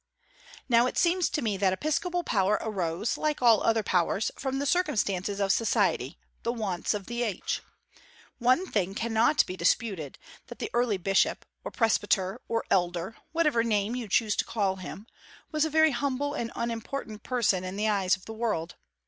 Now it seems to me that episcopal power arose, like all other powers, from the circumstances of society, the wants of the age. One thing cannot be disputed, that the early bishop or presbyter, or elder, whatever name you choose to call him was a very humble and unimportant person in the eyes of the world.